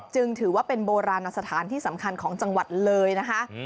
จึงถือว่าเป็นโบราณสถานที่สำคัญของจังหวัดเลยนะคะ